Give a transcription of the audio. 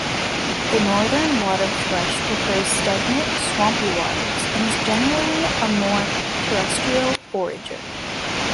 The northern waterthrush prefers stagnant, swampy waters and is generally a more terrestrial forager.